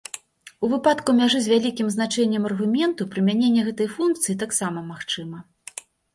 У выпадку мяжы з вялікім значэннем аргументу прымяненне гэтай функцыі таксама магчыма.